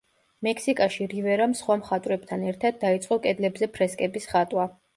მექსიკაში რივერამ სხვა მხატვრებთან ერთად დაიწყო კედლებზე ფრესკების ხატვა.